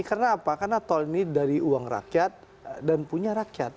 karena apa karena tol ini dari uang rakyat dan punya rakyat